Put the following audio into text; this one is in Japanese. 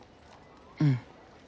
うん。